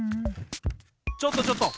・ちょっとちょっと！